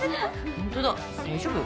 本当だ大丈夫？